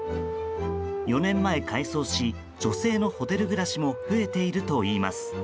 ４年前、改装し女性のホテル暮らしも増えているといいます。